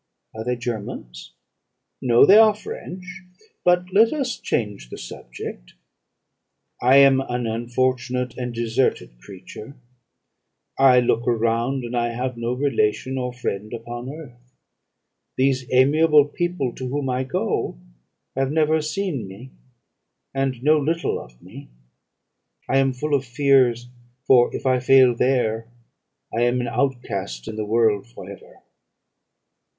"'Are they Germans?' "'No, they are French. But let us change the subject. I am an unfortunate and deserted creature; I look around, and I have no relation or friend upon earth. These amiable people to whom I go have never seen me, and know little of me. I am full of fears; for if I fail there, I am an outcast in the world for ever.'